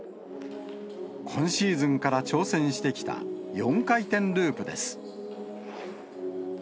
今シーズンから挑戦してきた、４回転ループです。